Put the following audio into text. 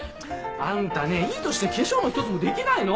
あんたねえいい年して化粧の一つもできないの！？